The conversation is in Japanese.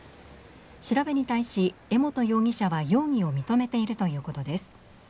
調べに対し、江本容疑者は容疑を認めているということです。